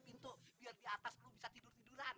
sepuluh pintu biar di atas lu bisa tidur tiduran